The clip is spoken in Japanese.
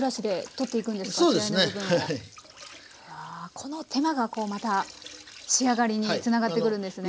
この手間がこうまた仕上がりにつながってくるんですね。